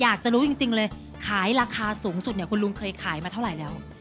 อยากจะรู้จริงเลยขายราคาสูงสุดเนี่ยคุณลุงเคยขายมาเท่าไหร่แล้ว